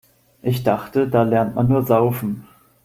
Ich dachte, da lernt man nur Saufen.